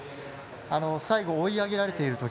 最後、追い上げられている時